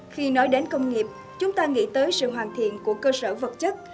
khi nói đến công nghiệp chúng ta nghĩ tới sự hoàn thiện của cơ sở vật chất